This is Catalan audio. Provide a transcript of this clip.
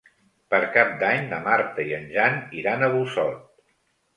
Per Cap d'Any na Marta i en Jan iran a Busot.